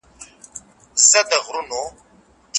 مثبت فکر راتلونکی نه زیانمنوي.